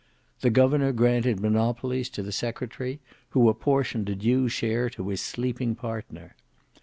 The governor granted monopolies to the secretary, who apportioned a due share to his sleeping partner.